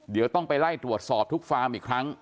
เดี๋ยวต้องไปไล่ตรวจสอบทุกฟาร์มอีกครั้ง